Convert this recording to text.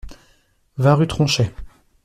vingt rue Tronchet